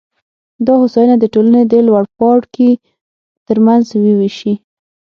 دا هوساینه د ټولنې د لوړپاړکي ترمنځ ووېشي.